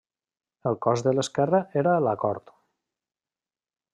El cós de l'esquerra era la cort.